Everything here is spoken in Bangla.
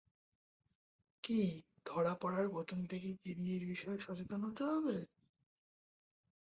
কি ধরা পড়ার প্রথম থেকেই কিডনির বিষয়ে সচেতন হতে হবে?